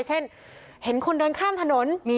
เช่นเห็นคนเดินข้ามถนน